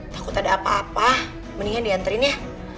takut ada apa apa mendingan dianterin ya